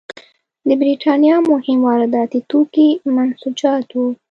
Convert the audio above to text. د برېټانیا مهم وارداتي توکي منسوجات وو.